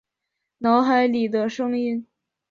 脑海里的声音